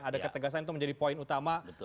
ada ketegasan itu menjadi poin utama